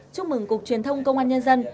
chúc mừng cục truyền thông công an nhân dân